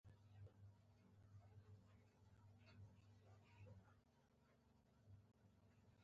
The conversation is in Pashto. ټپي ته باید د الله نه شفا وغواړو.